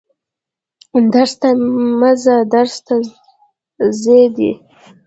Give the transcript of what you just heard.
درس ته مه ځه درس ته ځه دي